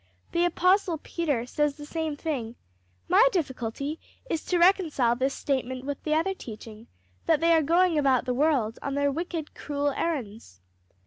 The apostle Peter says the same thing. My difficulty is to reconcile this statement with the other teaching that they are going about the world on their wicked, cruel errands."